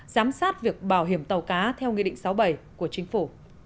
giám sát việc bảo hiểm tàu cá theo nghị định sáu mươi bảy của chính phủ